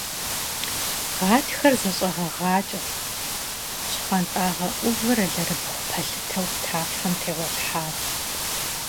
Гъатхэр зэщӀэгъэгъакӀэт, щхъуантӀагъэ Ӏувыр алэрыбгъу пэлъытэу тафэм тегъуэлъхьат.